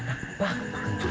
enak banget makan jeruk